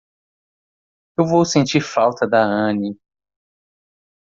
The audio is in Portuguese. Eu vou sentir falta da Annie.